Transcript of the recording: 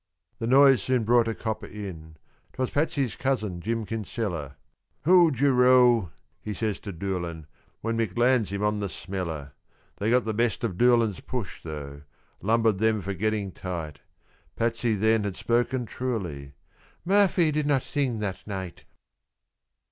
The noise soon brought a copper in: 'twas Patsy's cousin, Jim Kinsella. "Hould yer row," he says to Doolan, when Mick lands him on the smeller. They got the best of Doolan's push, though; lumbered them for getting tight. Patsy then had spoken truly, "Murphy did not sing that night."